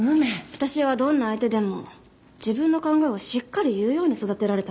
私はどんな相手でも自分の考えをしっかり言うように育てられたのよ。